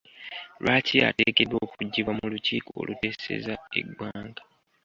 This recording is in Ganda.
Lwaki ateekeddwa okuggibwa mu lukiiko oluteeseza eggwanga?